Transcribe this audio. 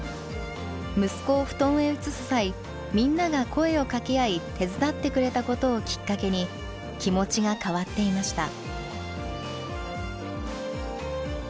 息子を布団へ移す際みんなが声をかけ合い手伝ってくれたことをきっかけに気持ちが変わっていました。